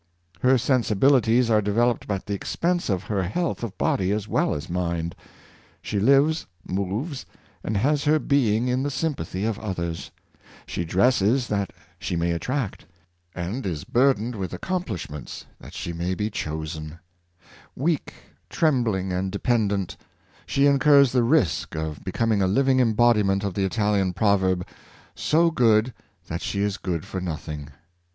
Her sensibilities are developed at the expense of her health of body as well as mind. She lives, moves, and has her being in the sympath}^ of others. She dresses that she may attract, and is burdened with accomplishments that she may be Early Education of Both Sexes, 559 chosen. Weak, trembling and dependent, she incurs the risk of becoming a living embodiment of the Italian proverb — "so good that she is good for nothing."